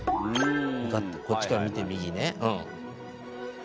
こっちから見て右ね。